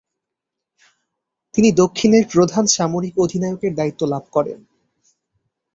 তিনি দক্ষিণের প্রধান সামরিক অধিনায়কের দায়িত্ব লাভ করেন।